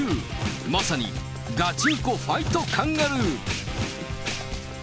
まさにガチンコ・ファイト・カンガルー。